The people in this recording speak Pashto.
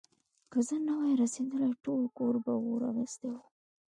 که زه نه وای رسېدلی، ټول کور به اور اخيستی و.